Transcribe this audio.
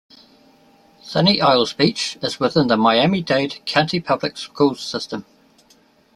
Sunny Isles Beach is within the Miami-Dade County Public Schools system.